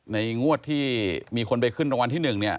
ในงวดที่มีคนไปขึ้นตรงวันที่๑